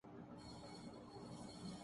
دفعہ Khalid bin Walid اور Umar bin Khattab نے کشتی لڑی